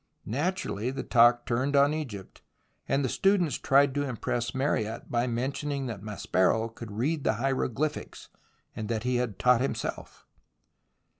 Naturally the talk turned on Egypt, and the students tried to impress Mariette by mentioning that Maspero could read hieroglyphics, and that he had taught himself.